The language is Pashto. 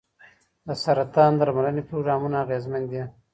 د سرطان درملنې پروګرامونه اغېزمن دي.